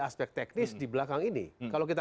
aspek teknis di belakang ini kalau kita